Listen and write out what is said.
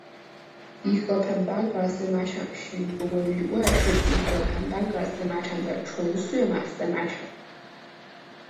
迪河畔班格尔赛马场是一座位于威尔士迪河畔班格尔赛马场的纯血马赛马场。